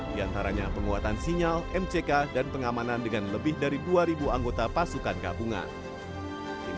di antaranya penguatan sinyal mck dan pengamanan dengan lebih dari dua anggota pasukan gabungan